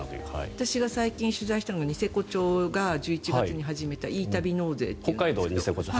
私が最近取材したのがニセコ町の１１月に始めたｅ旅納税という。